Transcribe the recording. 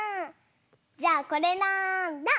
じゃあこれなんだ？